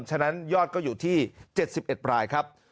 ฉะนั้นยอดก็อยู่ที่๗๑รายครับ